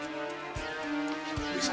上様。